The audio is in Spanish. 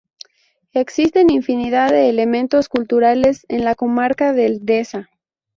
Existen infinidad de elementos culturales en la comarca del deza.